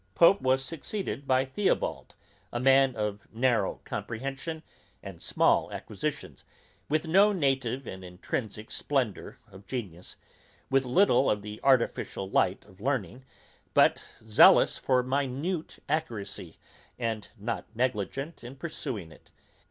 Pope was succeeded by Theobald, a man of narrow comprehension and small acquisitions, with no native and intrinsick splendour of genius, with little of the artificial light of learning, but zealous for minute accuracy, and not negligent in pursuing it.